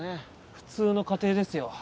普通の家庭ですよ